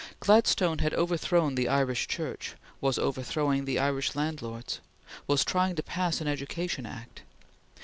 Gladstone had overthrown the Irish Church; was overthrowing the Irish landlords; was trying to pass an Education Act.